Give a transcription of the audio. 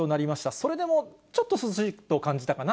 それでもちょっと涼しいと感じたかな。